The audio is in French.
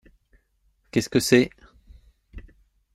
Qu’est-ce que c’est ?